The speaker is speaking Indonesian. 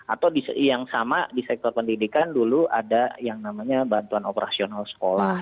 atau yang sama di sektor pendidikan dulu ada yang namanya bantuan operasional sekolah